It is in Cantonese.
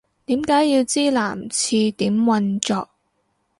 點解要知男廁點運作